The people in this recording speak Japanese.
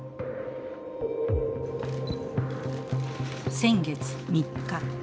先月３日。